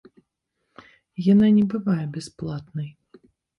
Яна не бывае бясплатнай.